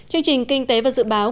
chương trình kinh tế và dự báo